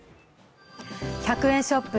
１００円ショップ